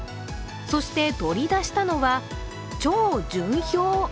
そして、取り出したのは超純氷。